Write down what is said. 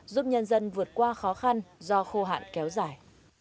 giúp nhân dân vượt qua khó khăn do khô hạn kéo dài